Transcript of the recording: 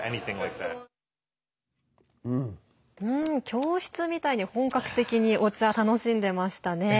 教室みたいに本格的にお茶、楽しんでましたね。